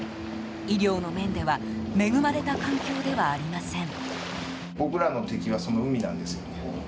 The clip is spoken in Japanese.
医療の面では恵まれた環境ではありません。